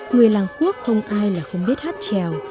người làng quốc không ai là không biết hát trèo